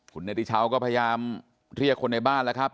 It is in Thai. คุณเนธิเช้าก็พยายามเรียกคนในบ้านแล้วครับ